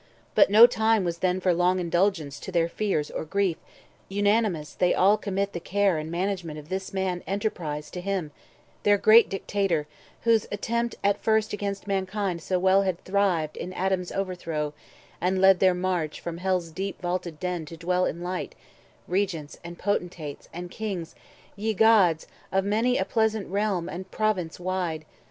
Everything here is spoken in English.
But no time was then For long indulgence to their fears or grief: 110 Unanimous they all commit the care And management of this man enterprise To him, their great Dictator, whose attempt At first against mankind so well had thrived In Adam's overthrow, and led their march From Hell's deep vaulted den to dwell in light, Regents, and potentates, and kings, yea gods, Of many a pleasant realm and province wide.